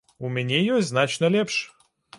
У мяне ёсць значна лепш!